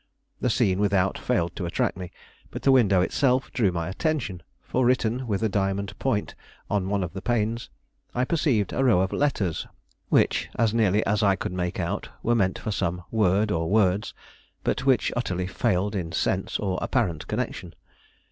The scene without failed to attract me, but the window itself drew my attention, for, written with a diamond point on one of the panes, I perceived a row of letters which, as nearly as I could make out, were meant for some word or words, but which utterly failed in sense or apparent connection.